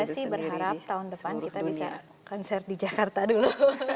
saya sih berharap tahun depan kita bisa konser di jakarta dulu